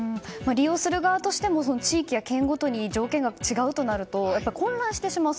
利用する側としても地域や県ごとに条件が違うとなると混乱してしまう。